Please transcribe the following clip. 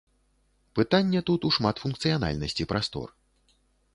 Пытанне тут у шматфункцыянальнасці прастор.